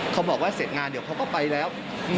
เขาบอกว่าเสร็จงานเดี๋ยวเขาก็ไปแล้ว